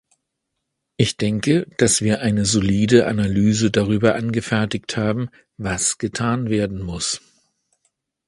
Ich denke, dass wir eine solide Analyse darüber angefertigt haben, was getan werden muss.